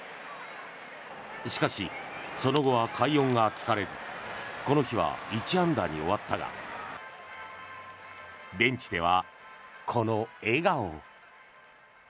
しかし、その後は快音が聞かれずこの日は１安打に終わったがベンチではこの笑顔。